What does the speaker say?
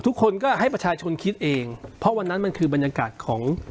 ทุกคนก็ให้ประชาชนคิดเองเพราะวันนั้นมันคือบรรยากาศของ